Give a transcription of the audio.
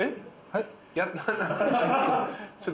はい。